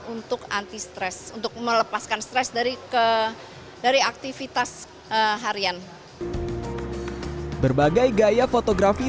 untuk anti stres untuk melepaskan stres dari ke dari aktivitas harian berbagai gaya fotografi